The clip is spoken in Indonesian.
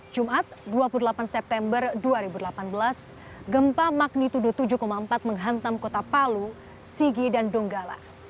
jumat dua puluh delapan september dua ribu delapan belas gempa magnitudo tujuh empat menghantam kota palu sigi dan donggala